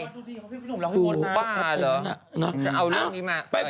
แต่มีรักดุรีของพี่หนุ่มล้องโปรดนะ